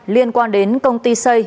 liên quan đến công ty xây